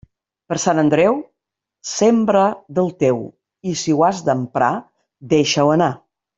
Per Sant Andreu, sembra del teu; i si ho has d'emprar, deixa-ho anar.